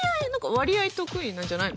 わりあい得意なんじゃないの？